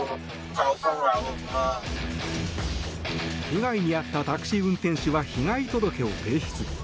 被害に遭ったタクシー運転手は被害届を提出。